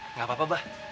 nggak apa apa bah